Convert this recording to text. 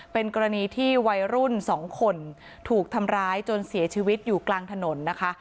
เป็นกรณีที่วัยรุ่นสองคนถูกทำร้ายจนเสียชีวิตอยู่กลางถนนนะคะ